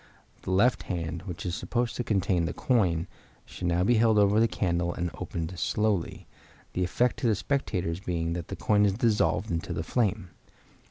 The left hand, which is supposed to contain the coin, should now be held over the candle and opened slowly, the effect to the spectators being that the coin is dissolved into the flame.